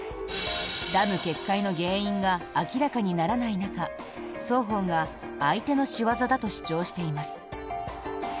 ダム決壊の原因が明らかにならない中双方が相手の仕業だと主張しています。